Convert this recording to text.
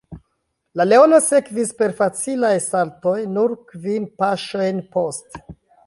La leono sekvis per facilaj saltoj nur kvin paŝojn poste.